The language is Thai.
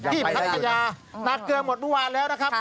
พัทยานาเกลือหมดเมื่อวานแล้วนะครับ